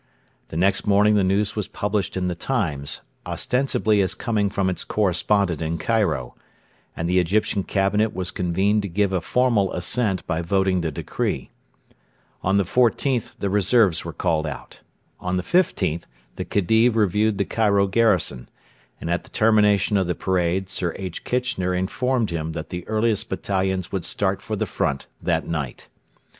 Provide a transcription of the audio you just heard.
The next morning the news was published in the Times, ostensibly as coming from its correspondent in Cairo: and the Egyptian Cabinet was convened to give a formal assent by voting the decree. On the 14th the reserves were called out. On the 15th the Khedive reviewed the Cairo garrison; and at the termination of the parade Sir H. Kitchener informed him that the earliest battalions would start for the front that night.